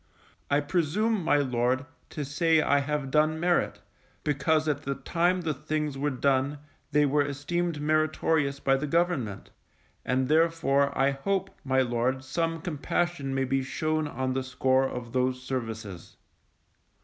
I presume, my Lord, to say I have done merit, because at the time the things were done, they were esteemed meritorious by the government; and therefore I hope, my Lord, some compassion may be shown on the score of those services.